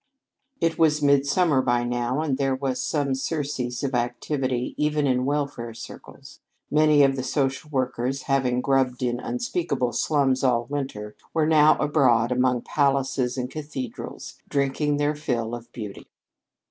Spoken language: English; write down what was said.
It was midsummer by now and there was some surcease of activity even in "welfare" circles. Many of the social workers, having grubbed in unspeakable slums all winter, were now abroad among palaces and cathedrals, drinking their fill of beauty.